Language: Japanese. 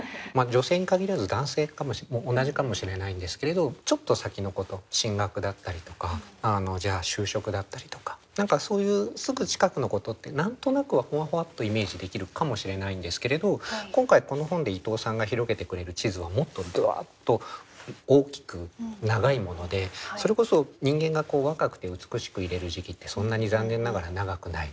女性に限らず男性も同じかもしれないんですけれどちょっと先のこと進学だったりとかじゃあ就職だったりとか何かそういうすぐ近くのことって何となくはふわふわっとイメージできるかもしれないんですけれど今回この本で伊藤さんが広げてくれる地図はもっとダッと大きく長いものでそれこそ人間が若くて美しくいれる時期ってそんなに残念ながら長くない。